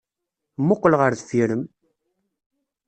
Mmuqqel ɣer deffir-m!